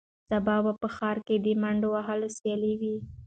سبا به په ښار کې د منډې وهلو سیالي وي.